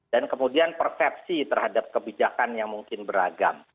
dan kemudian persepsi terhadap kebijakan yang mungkin beragam